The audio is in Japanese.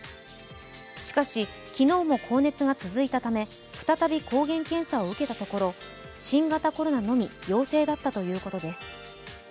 しかし、きのうも高熱が続いたため再び抗原検査を受けたところ、新型コロナのみ陽性だったということです。